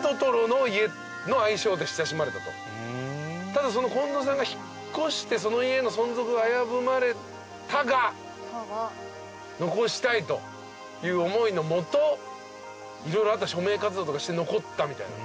ただその近藤さんが引っ越してその家の存続が危ぶまれたが残したいという思いのもと色々署名活動とかして残ったみたいな。